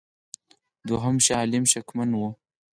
دوهم شاه عالم شکمن وو.